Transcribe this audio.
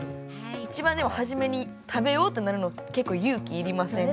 一番でも初めに食べようとなるの結構勇気いりません？